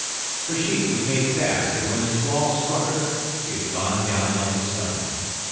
Her sheet was made fast, and when the squall struck her she had gone down like a stone.